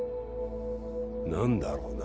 何だろうな